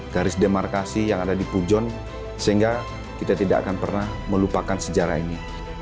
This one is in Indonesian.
garis demarkasi yang ada di pujon sehingga kita tidak akan pernah melupakan sejarah ini